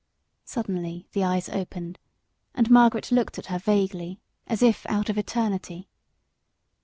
Suddenly the eyes opened, and Margaret looked at her vaguely, as if out of eternity.